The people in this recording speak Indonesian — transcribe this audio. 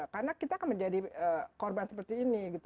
karena kita akan menjadi korban seperti ini